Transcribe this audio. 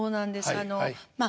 あのまあ